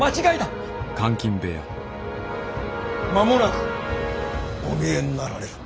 間もなくお見えになられる。